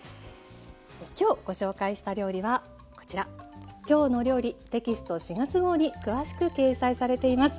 今日ご紹介した料理はこちら「きょうの料理」テキスト４月号に詳しく掲載されています。